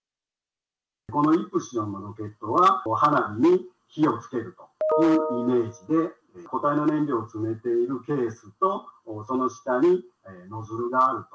イプシロンのロケットは、花火に火をつけるというイメージで、固体の燃料を詰めているケースと、その下にノズルがあると。